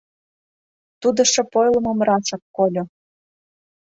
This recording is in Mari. — тудо шып ойлымым рашак кольо.